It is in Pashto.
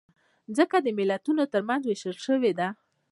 مځکه د ملتونو ترمنځ وېشل شوې ده.